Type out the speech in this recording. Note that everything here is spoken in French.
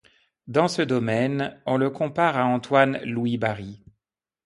Dans ce domaine, on le compare à Antoine-Louis Barye.